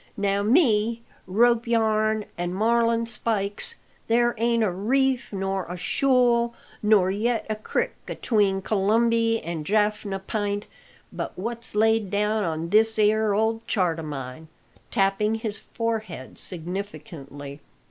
Now me rope yarn an' marlin spikes! there ain't a reef, nor a shool, nor yet a crik atween Colombie an' Jafna P'int but what's laid down on this 'ere old chart o' mine," tapping his forehead significantly.